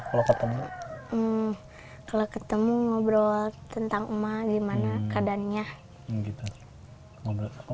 kalau ketemu ngobrol tentang emak gimana keadaannya